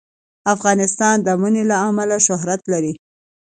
افغانستان د منی له امله شهرت لري.